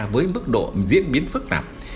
với mức độ diễn biến phức tạp